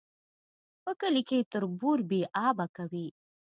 په کلي کي تربور بې آبه کوي